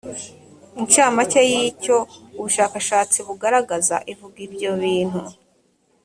incamake y’ icyo ubushakashatsi bugaragaza ivuga ibyo bintu